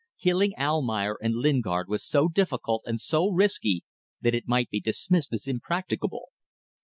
Killing Almayer and Lingard was so difficult and so risky that it might be dismissed as impracticable.